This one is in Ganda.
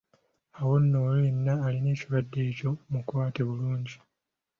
Awo nno, oyo yenna alina ekirwadde ekyo, mukwate bulungi.